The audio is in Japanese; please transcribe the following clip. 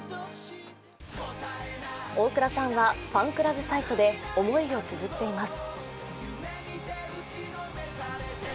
大倉さんはファンクラブサイトで思いをつづっています。